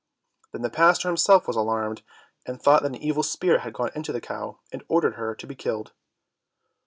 Then the pastor himself was alarmed, and thought that an evil spirit had gone into the cow, and ordered her to be killed.